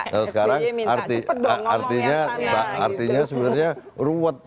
nah sekarang artinya sebenarnya ruwet